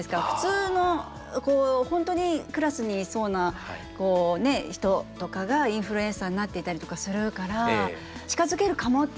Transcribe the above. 普通の本当にクラスにいそうな人とかがインフルエンサーになっていたりとかするから。